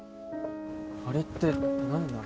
あれって何なの？